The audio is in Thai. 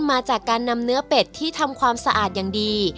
มาจากการนำเนื้อเป็ดที่ทำความสะอาดอย่างดี